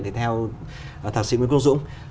thì theo thạc sĩ nguyễn quân dũng